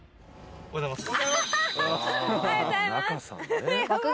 おはようございます。